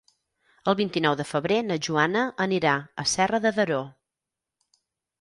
El vint-i-nou de febrer na Joana anirà a Serra de Daró.